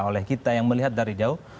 oleh kita yang melihat dari jauh